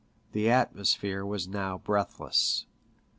The atmosphere was now breathless.